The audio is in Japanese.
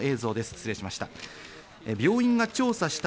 失礼しました。